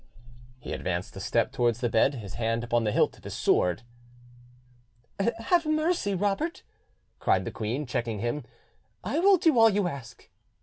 He advanced a step towards the bed, his hand upon the hilt of his sword. "Have mercy, Robert!" cried the queen, checking him: "I will do all you ask."